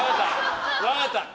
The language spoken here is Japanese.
分かった。